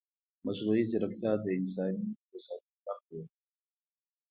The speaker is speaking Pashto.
مصنوعي ځیرکتیا د انساني هوساینې برخه ده.